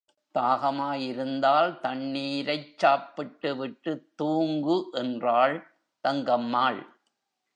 தாகமாய் இருந்தால் தண்ணீரைச் சாப்பிட்டு விட்டுத் தூங்கு என்றாள் தங்கம்மாள்.